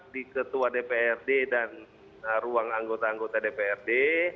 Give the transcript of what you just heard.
di ketua dprd dan ruang anggota anggota dprd